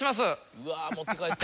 うわ持って帰った。